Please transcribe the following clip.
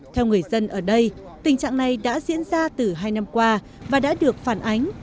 theo người dân ở đây tình trạng này đã diễn ra từ hai năm qua và đã được phản ánh